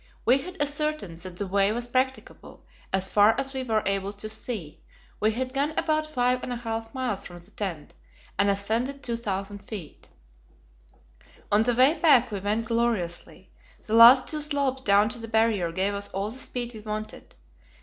We had ascertained that the way was practicable, as far as we were able to see; we had gone about five and a half miles from the tent, and ascended 2,000 feet. On the way back we went gloriously; the last two slopes down to the Barrier gave us all the speed we wanted.